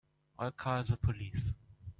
I'll call the police.